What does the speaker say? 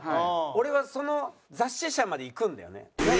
俺はその雑誌社まで行くんだよね。